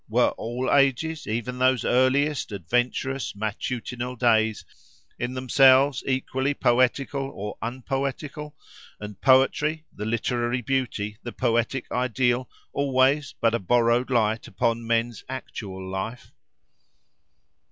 Were all ages, even those earliest, adventurous, matutinal days, in themselves equally poetical or unpoetical; and poetry, the literary beauty, the poetic ideal, always but a borrowed light upon men's actual life?